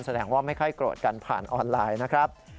แสดงว่าไม่ค่อยโกรธกันผ่านออนไลน์นะครับ